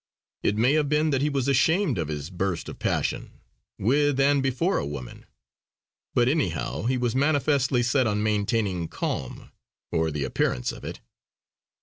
It may have been that he was ashamed of his burst of passion, with and before a woman; but anyhow he was manifestly set on maintaining calm, or the appearance of it.